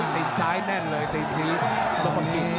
น้ำเงินรอโต